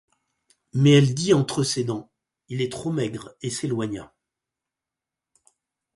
Mais elle dit entre ses dents: — Il est trop maigre, et s’éloigna.